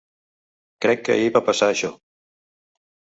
Crec que ahir va passar això.